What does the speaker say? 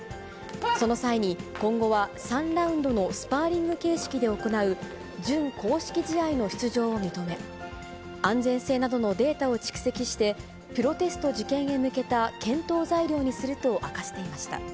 その際に、今後は３ラウンドのスパーリング形式で行う、準公式試合の出場を認め、安全性などのデータを蓄積して、プロテスト受験へ向けた検討材料にすると明かしていました。